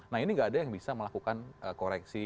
nah ini nggak ada yang bisa melakukan koreksi